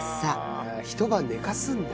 ひと晩寝かすんだ。